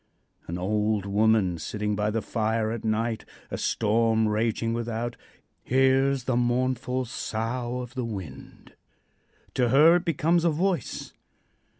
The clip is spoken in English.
An old woman sitting by the fire at night a storm raging without hears the mournful sough of the wind. To her it becomes a voice.